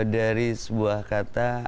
dari sebuah kata